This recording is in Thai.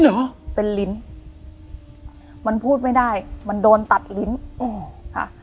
เหรอเป็นลิ้นมันพูดไม่ได้มันโดนตัดลิ้นอืมค่ะ